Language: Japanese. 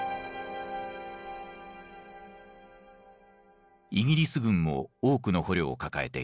イギリス軍も多くの捕虜を抱えていた。